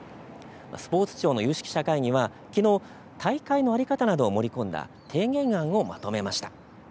スポーツ庁の有識者会議ではきのう大会の在り方などを盛り込んだ提言案をまとめました。